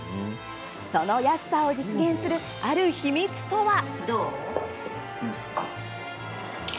その安さを実現するある秘密とは。